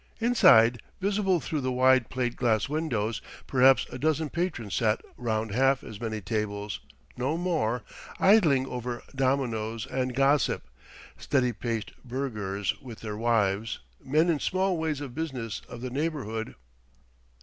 Inside, visible through the wide plate glass windows, perhaps a dozen patrons sat round half as many tables no more idling over dominoes and gossip: steady paced burghers with their wives, men in small ways of business of the neighbourhood.